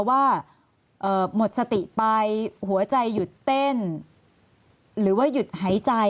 ว่าหมดสติไปหัวใจหยุดเต้นหรือว่าหยุดหายใจ